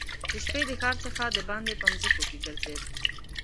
د شپې د ښار څخه دباندي په مځکو کې ګرځېد.